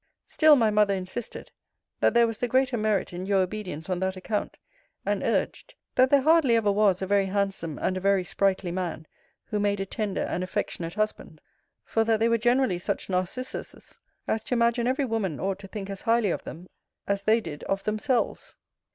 Still my mother insisted, that there was the greater merit in your obedience on that account; and urged, that there hardly ever was a very handsome and a very sprightly man who made a tender and affectionate husband: for that they were generally such Narcissus's, as to imagine every woman ought to think as highly of them, as they did of themselves.